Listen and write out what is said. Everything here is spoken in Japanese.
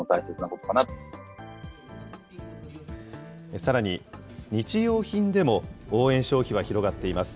さらに、日用品でも応援消費は広がっています。